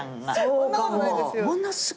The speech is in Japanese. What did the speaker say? そんなことないですよ。